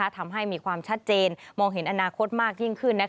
ทำให้มีความชัดเจนมองเห็นอนาคตมากยิ่งขึ้น